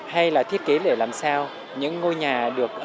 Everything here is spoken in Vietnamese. hay là thiết kế để làm sao những ngôi nhà được sáng tạo được tạo ra